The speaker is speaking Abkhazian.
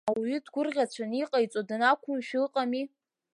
Ауаҩы дгәырӷьацәаны иҟаиҵо данақәымшәо ыҟами!